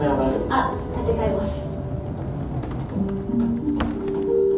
あっ立て替えます。